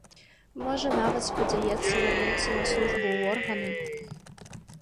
Можа нават, спадзяецца вярнуцца на службу ў органы.